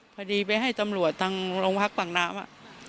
พอดีไปให้ตำรวจทางโรงพักปากน้ำ